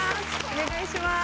お願いしまーす。